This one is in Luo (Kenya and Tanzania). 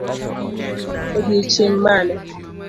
Odiochieng' mane?